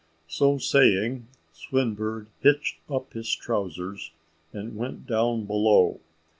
So saying, Swinburne hitched up his trowsers, and went down below.